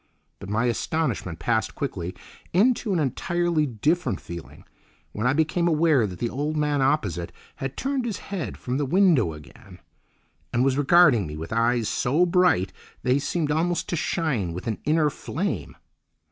But my astonishment passed quickly into an entirely different feeling when I became aware that the old man opposite had turned his head from the window again, and was regarding me with eyes so bright they seemed almost to shine with an inner flame.